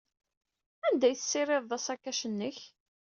Anda ay tessirideḍ asakac-nnek?